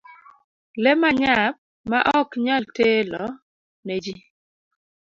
Lee manyap ma ok nyal telo ne ji.